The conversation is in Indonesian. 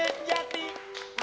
yang akan menjadi romeo adalah